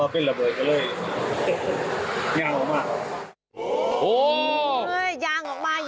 เปลี่ยนมันได้ว่ากินระเบิดเลย